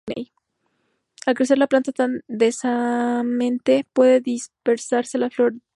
Al crecer la planta tan densamente puede dispersar a la flora nativa.